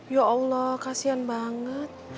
ya allah kasihan banget